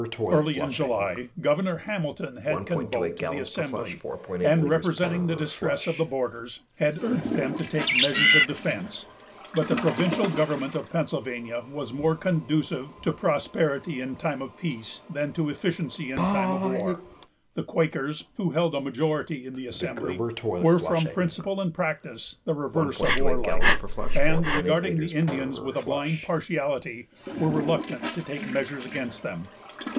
Early in July, Governor Hamilton had convoked the Assembly, and, representing the distress of the borders, had urged them to take measures of defence. But the provincial government of Pennsylvania was more conducive to prosperity in time of peace than to efficiency in time of war. The Quakers, who held a majority in the Assembly, were from principle and practice the reverse of warlike, and, regarding the Indians with a blind partiality, were reluctant to take measures against them.